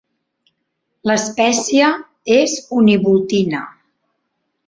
L'espècie és univoltina.